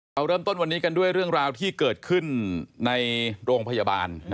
เราเริ่มต้นวันนี้กันด้วยเรื่องราวที่เกิดขึ้นในโรงพยาบาล